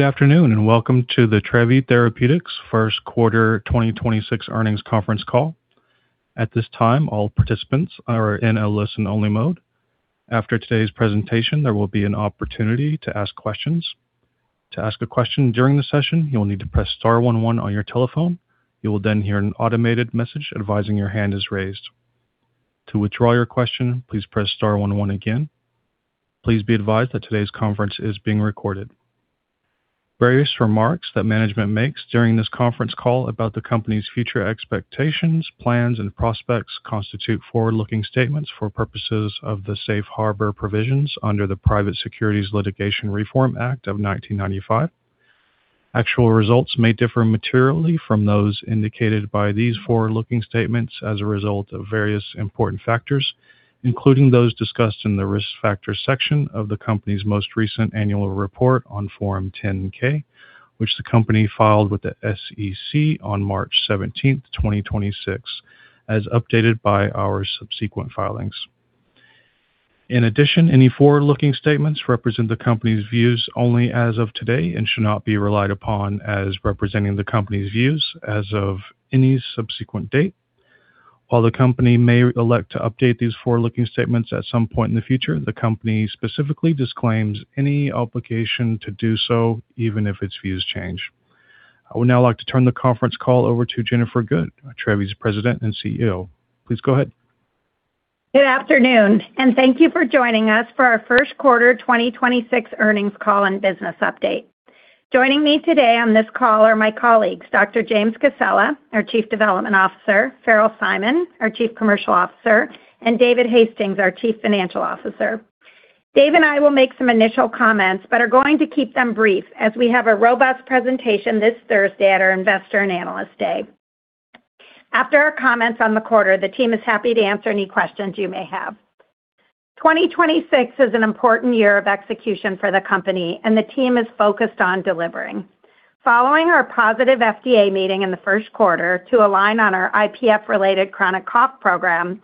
Good afternoon, welcome to the Trevi Therapeutics first quarter 2026 earnings conference call. At this time, all participants are in a listen-only mode. After today's presentation, there will be an opportunity to ask questions. To ask a question during the session, you will need to press star one one on your telephone. You will then hear an automated message advising your hand is raised. To withdraw your question, please press star one one again. Please be advised that today's conference is being recorded. Various remarks that management makes during this conference call about the company's future expectations, plans, and prospects constitute forward-looking statements for purposes of the safe harbor provisions under the Private Securities Litigation Reform Act of 1995. Actual results may differ materially from those indicated by these forward-looking statements as a result of various important factors, including those discussed in the Risk Factors section of the company's most recent annual report on Form 10-K, which the company filed with the SEC on March 17th, 2026, as updated by our subsequent filings. In addition, any forward-looking statements represent the company's views only as of today and should not be relied upon as representing the company's views as of any subsequent date. While the company may elect to update these forward-looking statements at some point in the future, the company specifically disclaims any obligation to do so even if its views change. I would now like to turn the conference call over to Jennifer Good, Trevi's President and CEO. Please go ahead. Good afternoon. Thank you for joining us for our first quarter 2026 earnings call and business update. Joining me today on this call are my colleagues, Dr. James Cassella, our Chief Development Officer, Farrell Simon, our Chief Commercial Officer, and David Hastings, our Chief Financial Officer. Dave and I will make some initial comments but are going to keep them brief as we have a robust presentation this Thursday at our Investor and Analyst Day. After our comments on the quarter, the team is happy to answer any questions you may have. 2026 is an important year of execution for the company, and the team is focused on delivering. Following our positive FDA meeting in the first quarter to align on our IPF-related chronic cough program,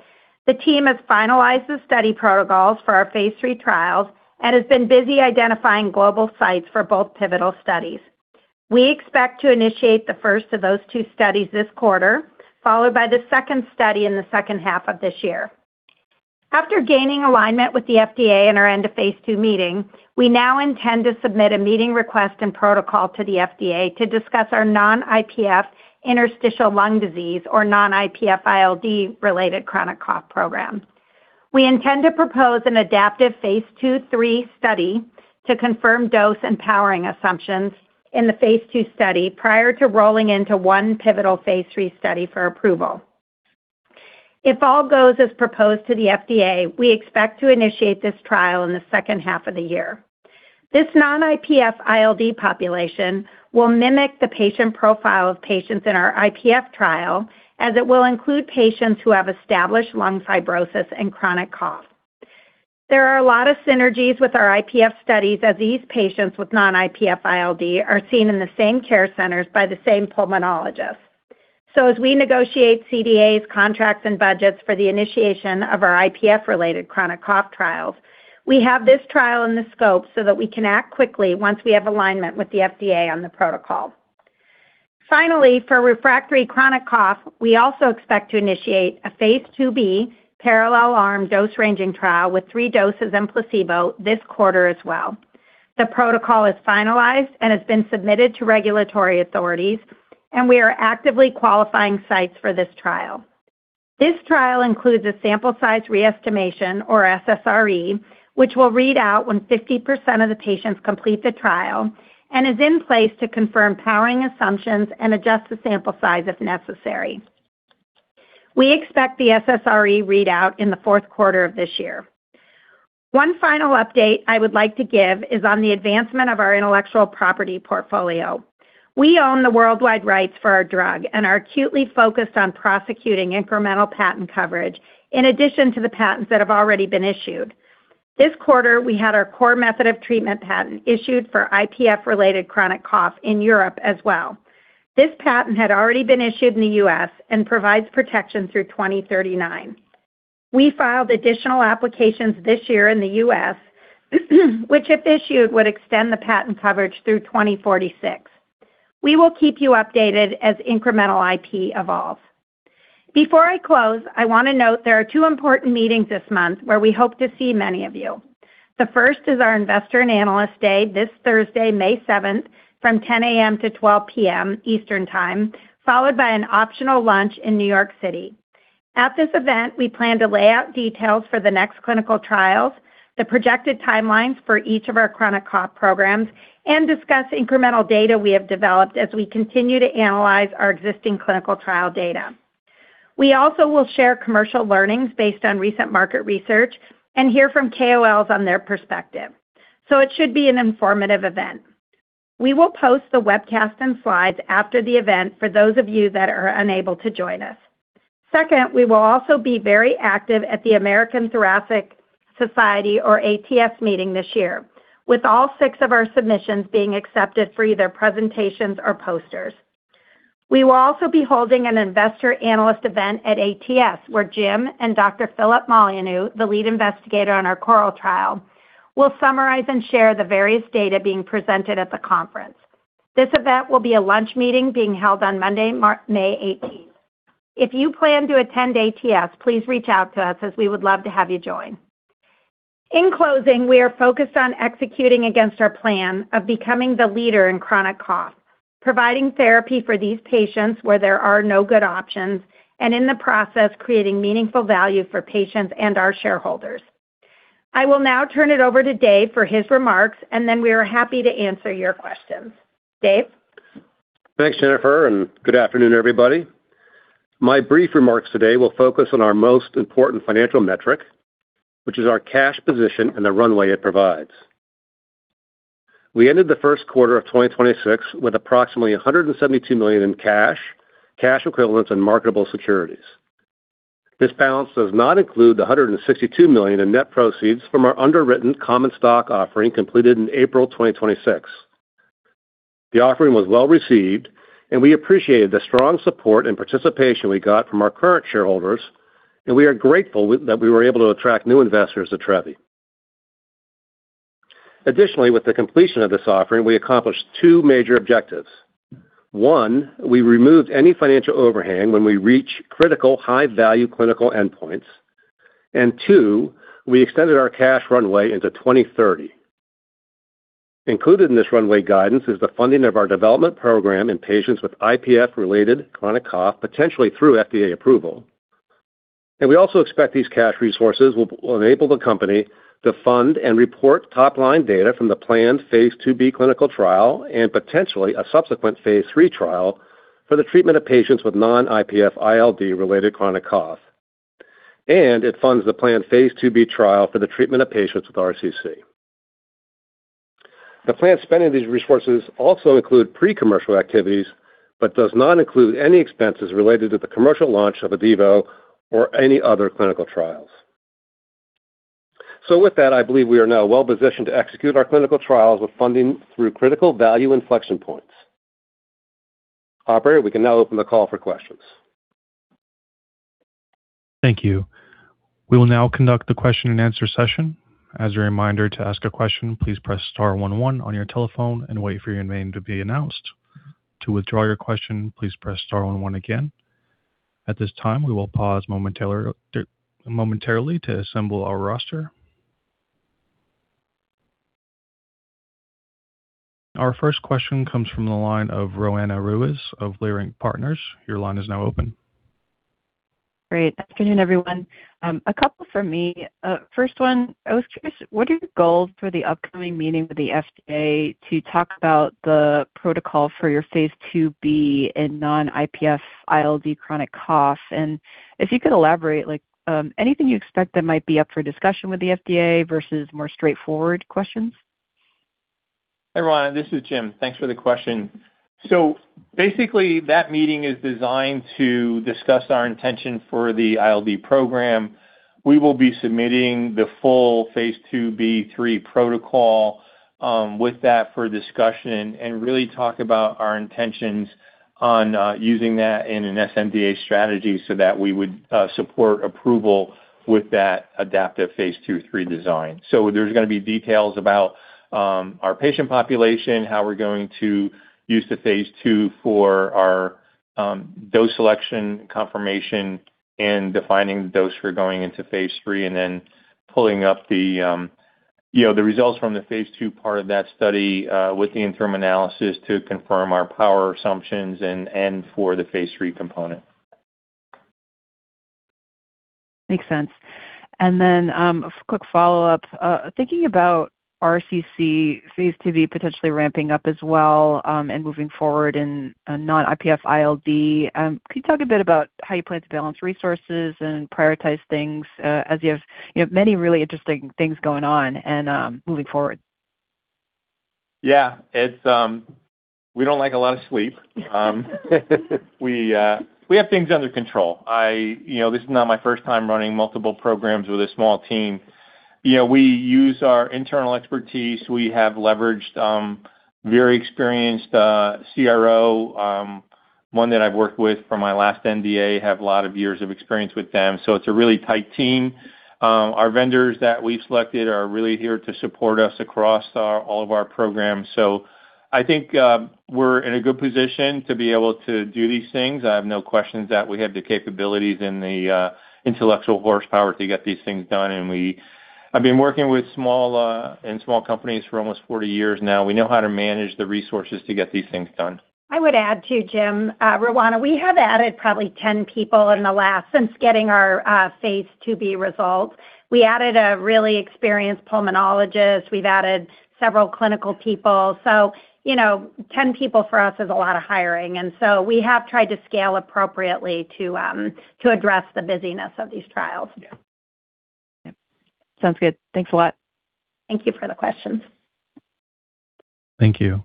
the team has finalized the study protocols for our phase III trials and has been busy identifying global sites for both pivotal studies. We expect to initiate the first of those two studies this quarter, followed by the second study in the second half of this year. After gaining alignment with the FDA in our end-of-phase II meeting, we now intend to submit a meeting request and protocol to the FDA to discuss our non-IPF interstitial lung disease or non-IPF ILD-related chronic cough program. We intend to propose an adaptive phase II/III study to confirm dose and powering assumptions in the phase II study prior to rolling into one pivotal phase III study for approval. If all goes as proposed to the FDA, we expect to initiate this trial in the second half of the year. This non-IPF ILD population will mimic the patient profile of patients in our IPF trial as it will include patients who have established lung fibrosis and chronic cough. There are a lot of synergies with our IPF studies as these patients with non-IPF ILD are seen in the same care centers by the same pulmonologist. As we negotiate CDAs, contracts, and budgets for the initiation of our IPF-related chronic cough trials, we have this trial in the scope so that we can act quickly once we have alignment with the FDA on the protocol. Finally, for refractory chronic cough, we also expect to initiate a phase II-B parallel arm dose-ranging trial with three doses and placebo this quarter as well. The protocol is finalized and has been submitted to regulatory authorities. We are actively qualifying sites for this trial. This trial includes a sample size re-estimation or SSRE, which will read out when 50% of the patients complete the trial and is in place to confirm powering assumptions and adjust the sample size if necessary. We expect the SSRE readout in the fourth quarter of this year. One final update I would like to give is on the advancement of our intellectual property portfolio. We own the worldwide rights for our drug and are acutely focused on prosecuting incremental patent coverage in addition to the patents that have already been issued. This quarter, we had our core method of treatment patent issued for IPF-related chronic cough in Europe as well. This patent had already been issued in the U.S. and provides protection through 2039. We filed additional applications this year in the U.S. which, if issued, would extend the patent coverage through 2046. We will keep you updated as incremental IP evolves. Before I close, I want to note there are two important meetings this month where we hope to see many of you. The first is our Investor and Analyst Day this Thursday, May 7th, from 10:00 A.M. to 12:00 P.M. Eastern Time, followed by an optional lunch in New York City. At this event, we plan to lay out details for the next clinical trials, the projected timelines for each of our chronic cough programs, and discuss incremental data we have developed as we continue to analyze our existing clinical trial data. We also will share commercial learnings based on recent market research and hear from KOLs on their perspective. It should be an informative event. We will post the webcast and slides after the event for those of you that are unable to join us. Second, we will also be very active at the American Thoracic Society or ATS meeting this year, with all six of our submissions being accepted for either presentations or posters. We will also be holding an investor analyst event at ATS, where Jim and Dr. Philip Molyneaux, the lead investigator on our CORAL trial, will summarize and share the various data being presented at the conference. This event will be a lunch meeting being held on Monday, May 18th. If you plan to attend ATS, please reach out to us as we would love to have you join. In closing, we are focused on executing against our plan of becoming the leader in chronic cough, providing therapy for these patients where there are no good options, and in the process, creating meaningful value for patients and our shareholders. I will now turn it over to Dave for his remarks, and then we are happy to answer your questions. Dave? Thanks, Jennifer, and good afternoon, everybody. My brief remarks today will focus on our most important financial metric, which is our cash position and the runway it provides. We ended the first quarter of 2026 with approximately $172 million in cash equivalents and marketable securities. This balance does not include the $162 million in net proceeds from our underwritten common stock offering completed in April 2026. The offering was well-received. We appreciated the strong support and participation we got from our current shareholders, and we are grateful that we were able to attract new investors to Trevi. Additionally, with the completion of this offering, we accomplished two major objectives. One. We removed any financial overhang when we reach critical high-value clinical endpoints. Two. We extended our cash runway into 2030. Included in this runway guidance is the funding of our development program in patients with IPF-related chronic cough, potentially through FDA approval. We also expect these cash resources will enable the company to fund and report top-line data from the planned phase II-B clinical trial and potentially a subsequent phase III trial for the treatment of patients with non-IPF ILD-related chronic cough. It funds the planned phase II-B trial for the treatment of patients with RCC. The planned spending of these resources also include pre-commercial activities but does not include any expenses related to the commercial launch of Haduvio or any other clinical trials. With that, I believe we are now well-positioned to execute our clinical trials with funding through critical value inflection points. Operator, we can now open the call for questions. Thank you. We will now conduct the question and answer session. As a reminder, to ask a question, please press star one one on your telephone and wait for your name to be announced. To withdraw your question, please press star one one again. At this time, we will pause momentarily to assemble our roster. Our first question comes from the line of Roanna Ruiz of Leerink Partners. Your line is now open. Great. Afternoon, everyone. A couple from me. First one, I was curious, what are your goals for the upcoming meeting with the FDA to talk about the protocol for your phase II-B in non-IPF ILD chronic cough? If you could elaborate, like, anything you expect that might be up for discussion with the FDA versus more straightforward questions. Hey, Roanna. This is Jim. Thanks for the question. Basically, that meeting is designed to discuss our intention for the ILD program. We will be submitting the full phase II-B/III protocol with that for discussion and really talk about our intentions on using that in an sNDA strategy so that we would support approval with that adaptive phase II/III design. There's going to be details about our patient population, how we're going to use the phase II for our dose selection confirmation and defining the dose for going into phase III and then pulling up the, you know, the results from the phase II part of that study with the interim analysis to confirm our power assumptions and for the phase III component. Makes sense. A quick follow-up. Thinking about RCC phase II-B potentially ramping up as well, and moving forward in a non-IPF ILD, can you talk a bit about how you plan to balance resources and prioritize things, as you have many really interesting things going on and, moving forward? Yeah. We don't like a lot of sleep. We have things under control. You know, this is not my first time running multiple programs with a small team. You know, we use our internal expertise. We have leveraged very experienced CRO, one that I've worked with from my last NDA, have a lot of years of experience with them. It's a really tight team. Our vendors that we've selected are really here to support us across all of our programs. I think we're in a good position to be able to do these things. I have no questions that we have the capabilities and the intellectual horsepower to get these things done. I've been working with small companies for almost 40 years now. We know how to manage the resources to get these things done. I would add, too, Jim, Roanna, we have added probably 10 people since getting our phase II-B results. We added a really experienced pulmonologist. We've added several clinical people. You know, 10 people for us is a lot of hiring. We have tried to scale appropriately to address the busyness of these trials. Yeah. Yep. Sounds good. Thanks a lot. Thank you for the question. Thank you.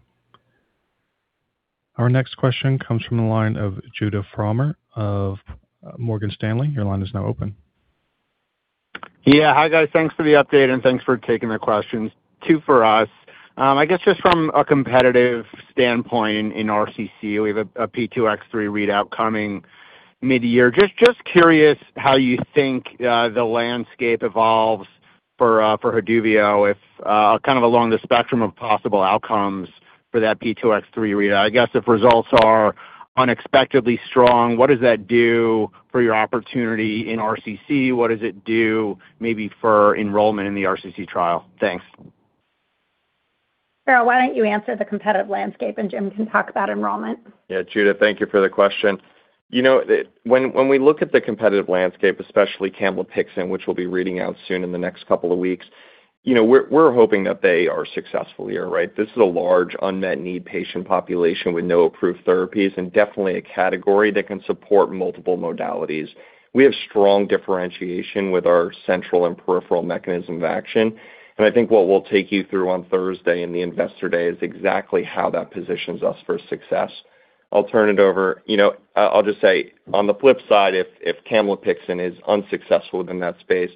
Our next question comes from the line of Judah Frommer of Morgan Stanley. Your line is now open. Yeah. Hi, guys. Thanks for the update, and thanks for taking the questions. Two for us. I guess just from a competitive standpoint in RCC, we have a P2X3 readout coming mid-year. Just curious how you think the landscape evolves for Haduvio if kind of along the spectrum of possible outcomes for that P2X3 readout. I guess if results are unexpectedly strong, what does that do for your opportunity in RCC? What does it do maybe for enrollment in the RCC trial? Thanks. Farrell, why don't you answer the competitive landscape, and Jim can talk about enrollment. Judah, thank you for the question. You know, when we look at the competitive landscape, especially camlipixant, which will be reading out soon in the next couple of weeks, you know, we're hoping that they are successful here, right? This is a large unmet need patient population with no approved therapies and definitely a category that can support multiple modalities. We have strong differentiation with our central and peripheral mechanism of action, and I think what we'll take you through on Thursday in the Investor Day is exactly how that positions us for success. I'll turn it over. You know, I'll just say on the flip side if camlipixant is unsuccessful within that space,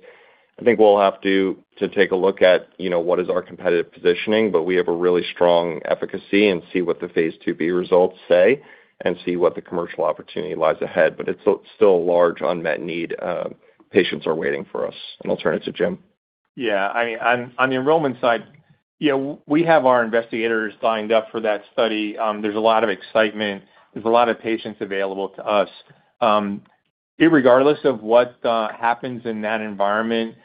I think we'll have to take a look at, you know, what is our competitive positioning. We have a really strong efficacy and see what the phase II-B results say and see what the commercial opportunity lies ahead. It's still a large unmet need. Patients are waiting for us. I'll turn it to Jim. Yeah. I mean, on the enrollment side, you know, we have our investigators signed up for that study. There's a lot of excitement. There's a lot of patients available to us. Irregardless of what happens in that environment,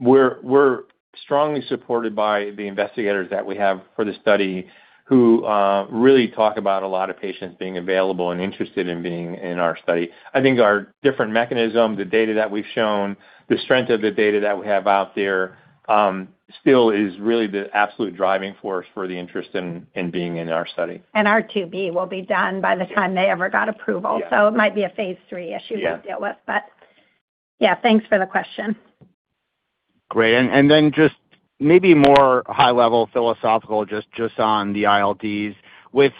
we're strongly supported by the investigators that we have for the study who really talk about a lot of patients being available and interested in being in our study. I think our different mechanism, the data that we've shown, the strength of the data that we have out there, still is really the absolute driving force for the interest in being in our study. Our phase II-B will be done by the time they ever got approval. It might be a phase III issue to deal with. Yeah, thanks for the question. Great. Just maybe more high level philosophical just on the ILDs. With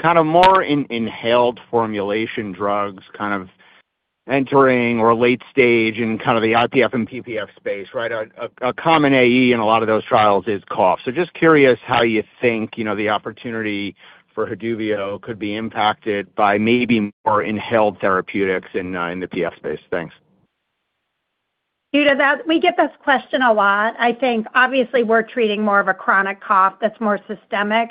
kind of more inhaled formulation drugs kind of entering or late stage in kind of the IPF and PPF space, right, a common AE in a lot of those trials is cough. Just curious how you think, you know, the opportunity for Haduvio could be impacted by maybe more inhaled therapeutics in the IPF and PPF space. Thanks. Judah, we get this question a lot. I think obviously we're treating more of a chronic cough that's more systemic.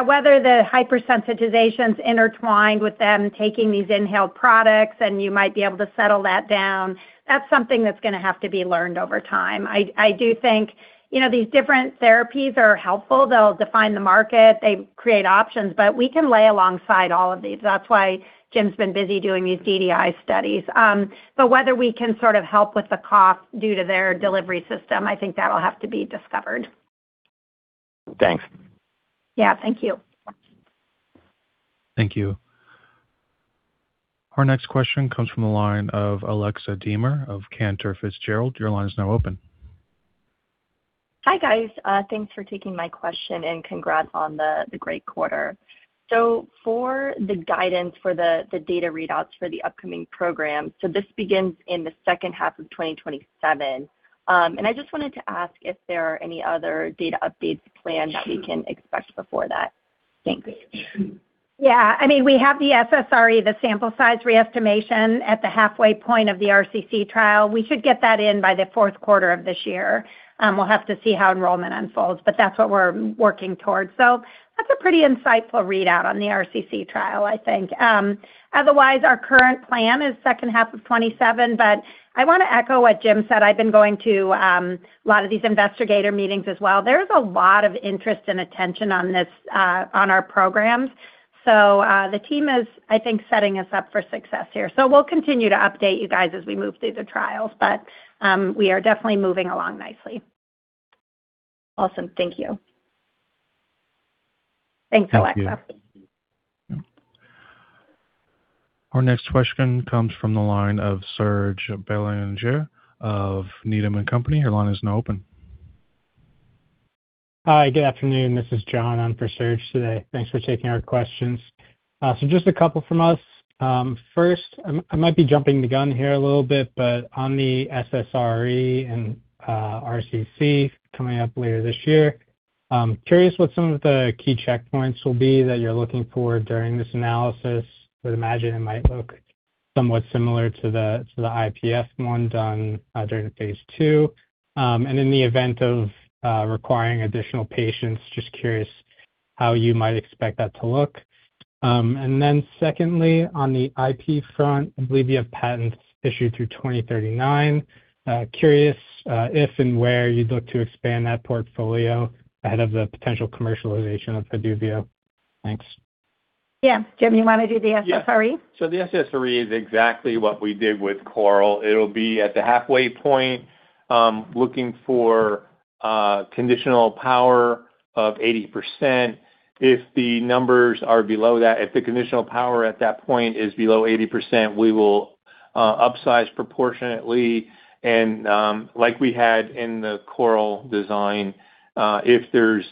Whether the hypersensitization's intertwined with them taking these inhaled products and you might be able to settle that down, that's something that's gonna have to be learned over time. I do think, you know, these different therapies are helpful. They'll define the market. They create options. We can lay alongside all of these. That's why Jim's been busy doing these DDI studies. Whether we can sort of help with the cough due to their delivery system, I think that'll have to be discovered. Thanks. Yeah. Thank you. Thank you. Our next question comes from the line of Alexa Deemer of Cantor Fitzgerald. Your line is now open. Hi, guys. Thanks for taking my question, and congrats on the great quarter. For the guidance for the data readouts for the upcoming program, this begins in the second half of 2027. I just wanted to ask if there are any other data updates planned that we can expect before that. Thanks. I mean, we have the SSRE, the sample size re-estimation at the halfway point of the RCC trial. We should get that in by the fourth quarter of this year. We'll have to see how enrollment unfolds, that's what we're working towards. That's a pretty insightful readout on the RCC trial, I think. Otherwise, our current plan is second half of 2027. I wanna echo what Jim said. I've been going to a lot of these investigator meetings as well. There's a lot of interest and attention on our programs. The team is, I think, setting us up for success here. We'll continue to update you guys as we move through the trials, we are definitely moving along nicely. Awesome. Thank you. Thanks, Alexa. Thank you. Our next question comes from the line of Serge Belanger of Needham & Company. Your line is now open. Hi. Good afternoon. This is John on for Serge today. Thanks for taking our questions. Just a couple from us. First, I might be jumping the gun here a little bit, on the SSRE and RCC coming up later this year, curious what some of the key checkpoints will be that you're looking for during this analysis. I would imagine it might look somewhat similar to the IPF one done during the phase II. In the event of requiring additional patients, just curious how you might expect that to look. Secondly, on the IP front, I believe you have patents issued through 2039. Curious if and where you'd look to expand that portfolio ahead of the potential commercialization of Haduvio. Thanks. Yeah. Jim, you wanna do the SSRE? Yeah. The SSRE is exactly what we did with CORAL. It'll be at the halfway point, looking for conditional power of 80%. If the numbers are below that, if the conditional power at that point is below 80%, we will upsize proportionately and, like we had in the CORAL design, if there's,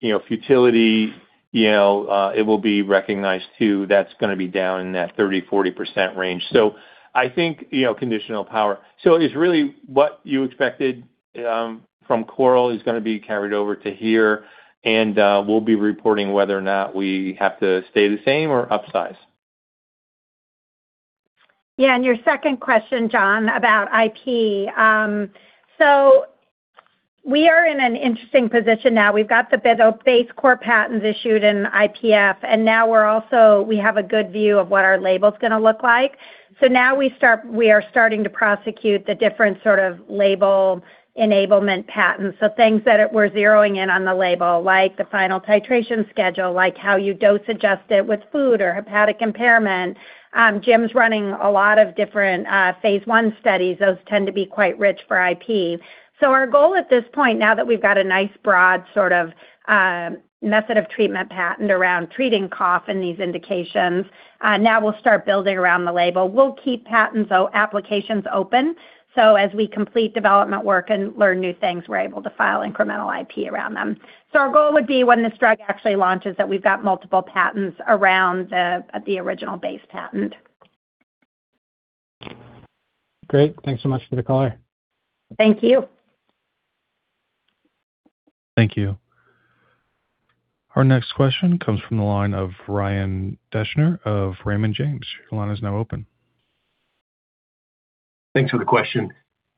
you know, futility, you know, it will be recognized too. That's gonna be down in that 30%-40% range. I think, you know, conditional power. It's really what you expected from CORAL is gonna be carried over to here and we'll be reporting whether or not we have to stay the same or upsize. Yeah. Your second question, John, about IP. We are in an interesting position now. We've got the base core patents issued in IPF, and now we have a good view of what our label's gonna look like. Now we are starting to prosecute the different sort of label enablement patents. Things that we're zeroing in on the label, like the final titration schedule, like how you dose adjust it with food or hepatic impairment. Jim's running a lot of different phase I studies. Those tend to be quite rich for IP. Our goal at this point, now that we've got a nice broad sort of method of treatment patent around treating cough and these indications, now we'll start building around the label. We'll keep patents, applications open, so as we complete development work and learn new things, we're able to file incremental IP around them. Our goal would be when this drug actually launches, that we've got multiple patents around the original base patent. Great. Thanks so much for the color. Thank you. Thank you. Our next question comes from the line of Ryan Deschner of Raymond James. Your line is now open. Thanks for the question.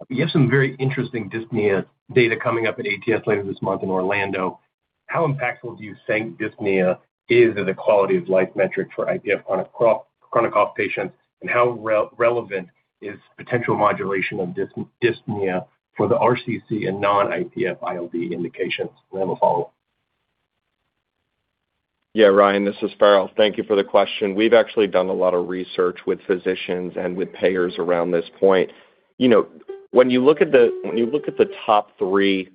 You have some very interesting dyspnea data coming up at ATS later this month in Orlando. How impactful do you think dyspnea is as a quality of life metric for IPF chronic cough patients, and how relevant is potential modulation of dyspnea for the RCC and non-IPF ILD indications? We'll follow up. Yeah, Ryan, this is Farrell. Thank you for the question. We've actually done a lot of research with physicians and with payers around this point. You know, when you look at the top three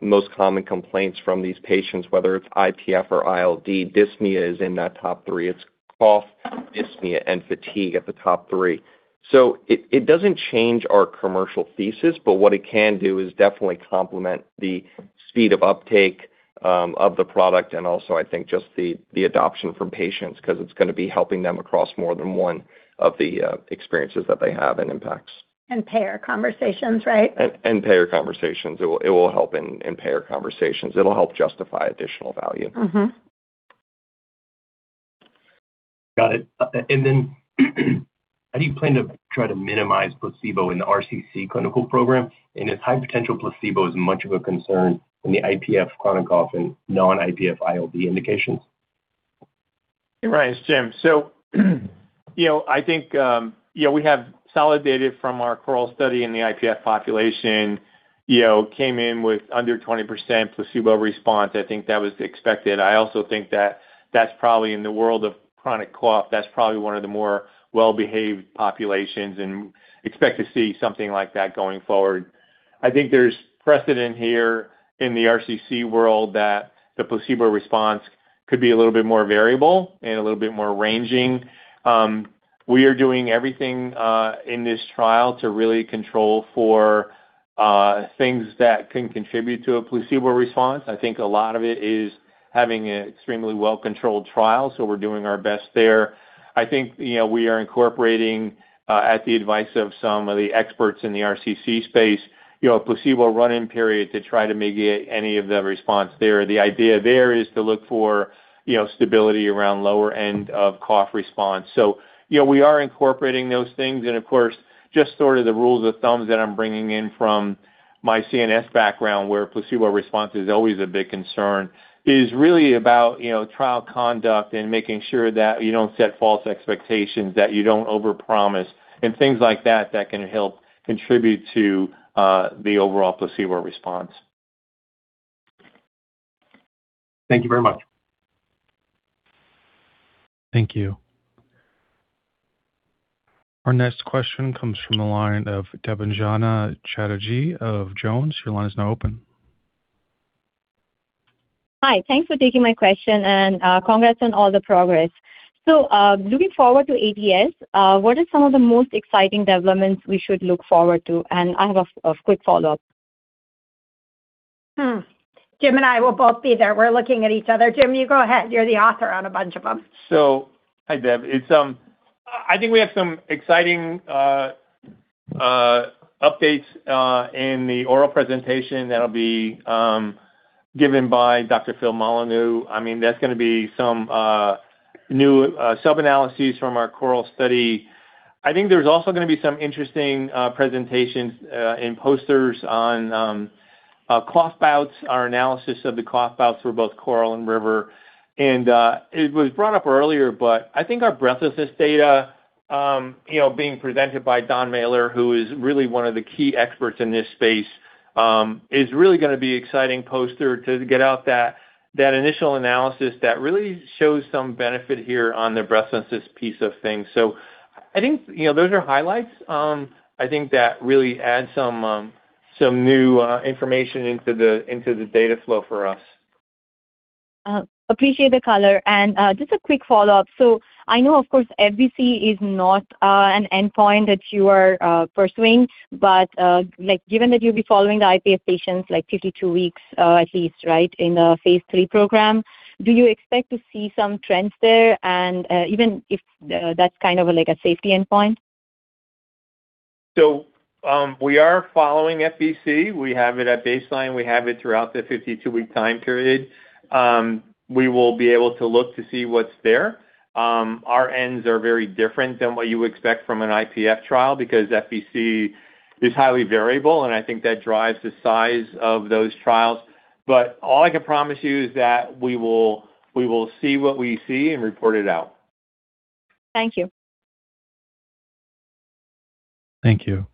most common complaints from these patients, whether it's IPF or ILD, dyspnea is in that top three. It's cough, dyspnea, and fatigue at the top three. It, it doesn't change our commercial thesis, but what it can do is definitely complement the speed of uptake of the product and also I think just the adoption from patients 'cause it's gonna be helping them across more than one of the experiences that they have and impacts. And payer conversations, right? Payer conversations. It will help in payer conversations. It'll help justify additional value. Got it. How do you plan to try to minimize placebo in the RCC clinical program? Is high potential placebo as much of a concern in the IPF chronic cough and non-IPF ILD indications? Hey, Ryan, it's Jim. You know, I think, you know, we have solid data from our CORAL study in the IPF population. You know, came in with under 20% placebo response. I think that was expected. I also think that that's probably in the world of chronic cough, that's probably one of the more well-behaved populations and expect to see something like that going forward. I think there's precedent here in the RCC world that the placebo response could be a little bit more variable and a little bit more ranging. We are doing everything in this trial to really control for things that can contribute to a placebo response. I think a lot of it is having an extremely well-controlled trial, so we're doing our best there. I think, you know, we are incorporating, at the advice of some of the experts in the RCC space, you know, a placebo run-in period to try to mitigate any of the response there. The idea there is to look for, you know, stability around lower end of cough response. You know, we are incorporating those things and, of course, just sort of the rules of thumbs that I'm bringing in from my CNS background where placebo response is always a big concern, is really about, you know, trial conduct and making sure that you don't set false expectations, that you don't overpromise and things like that can help contribute to the overall placebo response. Thank you very much. Thank you. Our next question comes from the line of Debanjana Chatterjee of JonesTrading. Your line is now open. Hi. Thanks for taking my question. Congrats on all the progress. Looking forward to ATS, what are some of the most exciting developments we should look forward to? I have a quick follow-up. Jim and I will both be there. We're looking at each other. Jim, you go ahead. You're the author on a bunch of them. Hi, Deb. It's I think we have some exciting updates in the oral presentation that'll be given by Dr. Phil Molyneaux. I mean, that's gonna be some new sub-analyses from our CORAL study. I think there's also gonna be some interesting presentations and posters on cough bouts, our analysis of the cough bouts for both CORAL and RIVER. It was brought up earlier, but I think our breathlessness data, you know, being presented by Don Mahler, who is really one of the key experts in this space, is really gonna be exciting poster to get out that initial analysis that really shows some benefit here on the breathlessness piece of things. I think, you know, those are highlights, I think that really add some new information into the data flow for us. Appreciate the color. Just a quick follow-up. I know, of course, FVC is not an endpoint that you are pursuing, but, like, given that you'll be following the IPF patients, like 52 weeks, at least, right, in the phase III program, do you expect to see some trends there? Even if that's kind of like a safety endpoint? We are following FVC. We have it at baseline. We have it throughout the 52-week time period. We will be able to look to see what's there. Our ends are very different than what you expect from an IPF trial because FVC is highly variable, and I think that drives the size of those trials. All I can promise you is that we will see what we see and report it out. Thank you. Thank you.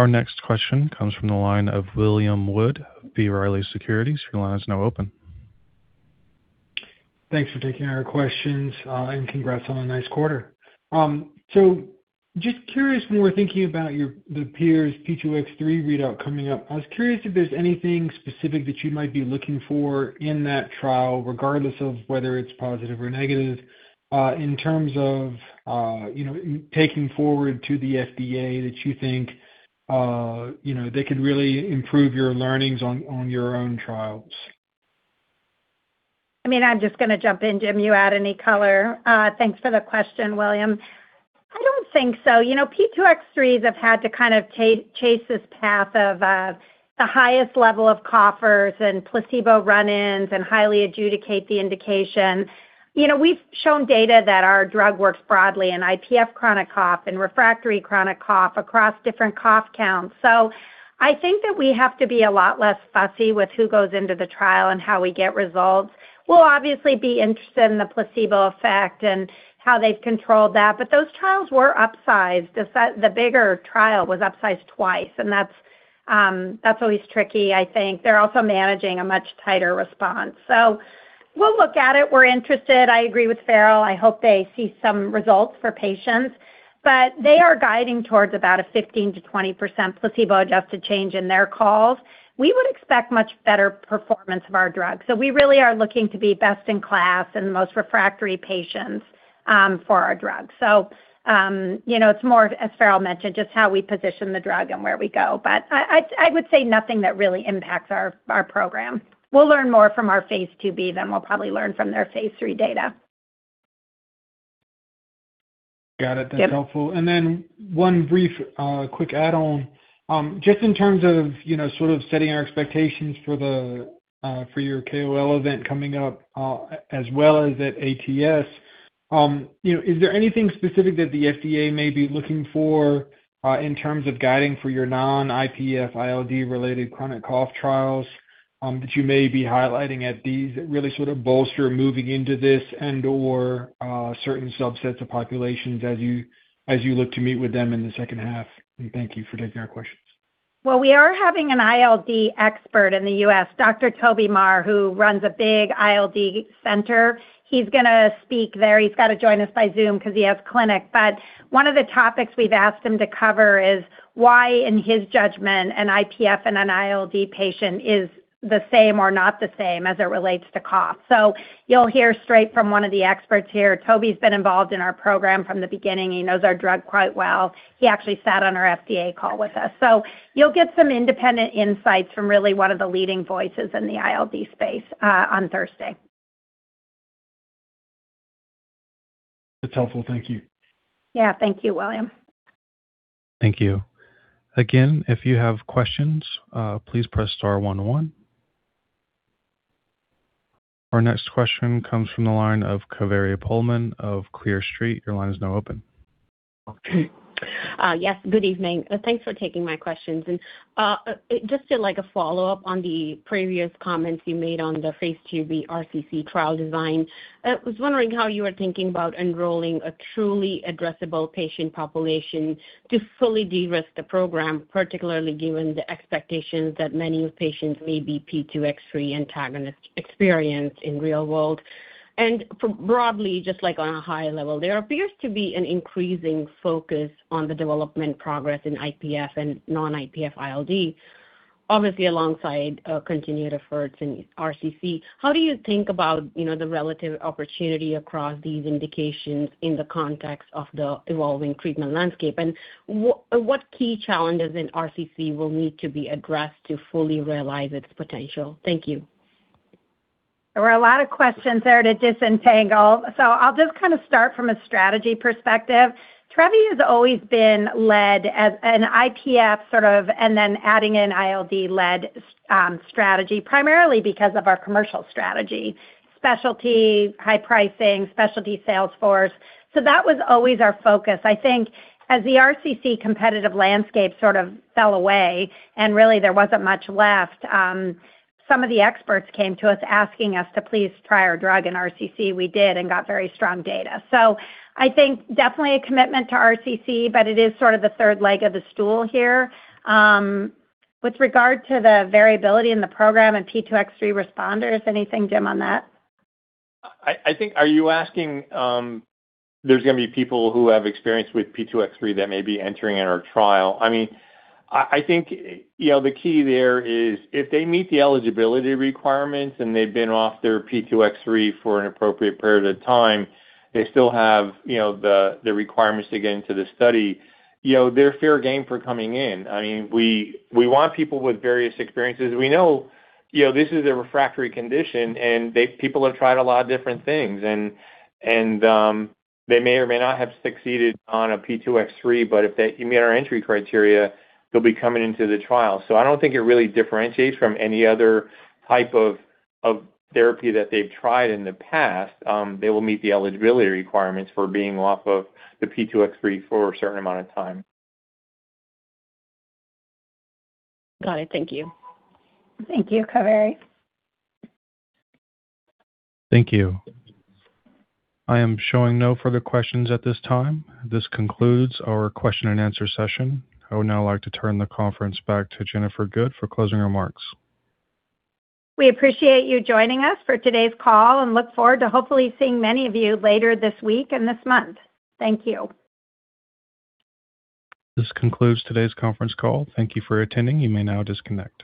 Our next question comes from the line of William Wood, B. Riley Securities. Your line is now open. Thanks for taking our questions, and congrats on a nice quarter. Just curious more thinking about the peers P2X3 readout coming up. I was curious if there's anything specific that you might be looking for in that trial, regardless of whether it's positive or negative, in terms of, you know, taking forward to the FDA that you think, you know, they could really improve your learnings on your own trials. I mean, I'm just gonna jump in, Jim, you add any color. Thanks for the question, William. I don't think so. You know, P2X3s have had to kind of chase this path of the highest level of coughers and placebo run-ins and highly adjudicate the indication. You know, we've shown data that our drug works broadly in IPF chronic cough and refractory chronic cough across different cough counts. I think that we have to be a lot less fussy with who goes into the trial and how we get results. We'll obviously be interested in the placebo effect and how they've controlled that, but those trials were upsized. The bigger trial was upsized twice, and that's always tricky, I think. They're also managing a much tighter response. We'll look at it. We're interested. I agree with Farrell. I hope they see some results for patients. They are guiding towards about a 15%-20% placebo-adjusted change in their calls. We would expect much better performance of our drug. We really are looking to be best in class in the most refractory patients for our drug. You know, it's more, as Farrell mentioned, just how we position the drug and where we go, but I would say nothing that really impacts our program. We'll learn more from our phase II-B than we'll probably learn from their phase III data. Got it. Yep. That's helpful. One brief, quick add-on. Just in terms of, you know, sort of setting our expectations for your KOL event coming up, as well as at ATS, you know, is there anything specific that the FDA may be looking for in terms of guiding for your non-IPF ILD-related chronic cough trials that you may be highlighting at these that really sort of bolster moving into this and/or certain subsets of populations as you, as you look to meet with them in the second half? Thank you for taking our questions. We are having an ILD expert in the U.S., Dr. Toby Maher, who runs a big ILD center. He's gonna speak there. He's gotta join us by Zoom 'cause he has clinic. One of the topics we've asked him to cover is why, in his judgment, an IPF and an ILD patient is the same or not the same as it relates to cough. You'll hear straight from one of the experts here. Toby's been involved in our program from the beginning. He knows our drug quite well. He actually sat on our FDA call with us. You'll get some independent insights from really one of the leading voices in the ILD space on Thursday. That's helpful. Thank you. Yeah. Thank you, William. Thank you. Again, if you have questions, please press star one one. Our next question comes from the line of Kaveri Pohlman of Clear Street. Your line is now open. Okay. Yes, good evening. Thanks for taking my questions. Just to like a follow-up on the previous comments you made on the phase II-B RCC trial design. I was wondering how you were thinking about enrolling a truly addressable patient population to fully de-risk the program, particularly given the expectations that many patients may be P2X3 antagonist experience in real world. For broadly, just like on a high level, there appears to be an increasing focus on the development progress in IPF and non-IPF ILD, obviously alongside continued efforts in RCC. How do you think about, you know, the relative opportunity across these indications in the context of the evolving treatment landscape? What key challenges in RCC will need to be addressed to fully realize its potential? Thank you. There were a lot of questions there to disentangle. I'll just kind of start from a strategy perspective. Trevi has always been led as an IPF sort of and then adding an ILD-led strategy, primarily because of our commercial strategy. Specialty, high pricing, specialty sales force. That was always our focus. I think as the RCC competitive landscape sort of fell away and really there wasn't much left, some of the experts came to us asking us to please try our drug in RCC. We did and got very strong data. I think definitely a commitment to RCC, but it is sort of the third leg of the stool here. With regard to the variability in the program and P2X3 responders, anything, Jim, on that? I think are you asking, there's gonna be people who have experience with P2X3 that may be entering in our trial? I mean, I think, you know, the key there is if they meet the eligibility requirements and they've been off their P2X3 for an appropriate period of time, they still have, you know, the requirements to get into the study, you know, they're fair game for coming in. I mean, we want people with various experiences. We know, you know, this is a refractory condition, and people have tried a lot of different things and they may or may not have succeeded on a P2X3, but if they meet our entry criteria, they'll be coming into the trial. I don't think it really differentiates from any other type of therapy that they've tried in the past. They will meet the eligibility requirements for being off of the P2X3 for a certain amount of time. Got it. Thank you. Thank you, Kaveri. Thank you. I am showing no further questions at this time. This concludes our question and answer session. I would now like to turn the conference back to Jennifer Good for closing remarks. We appreciate you joining us for today's call and look forward to hopefully seeing many of you later this week and this month. Thank you. This concludes today's conference call. Thank you for attending. You may now disconnect.